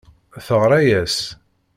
Teɣṛa-yas.